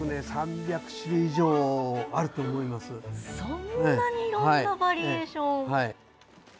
そんなにいろんなバリエーション。